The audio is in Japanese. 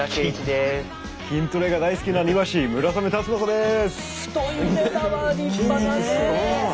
筋トレが大好きな庭師村雨辰剛です。